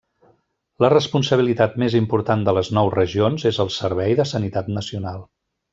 La responsabilitat més important de les nou regions és el servei de sanitat nacional.